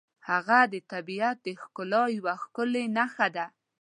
هغه د طبیعت د ښکلا یوه ښکلې نښه ده.